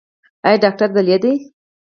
ایا ډاکټر دلې دی؟